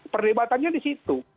perdebatannya di situ